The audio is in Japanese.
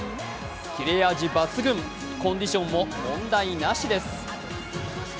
切れ味抜群、コンディションも問題なしです。